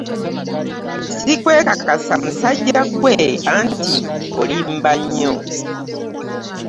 Ssikwekakasa musajja ggwe anti olimba nnyo.